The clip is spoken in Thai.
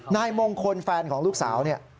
นายมงคลแฟนของลูกสาว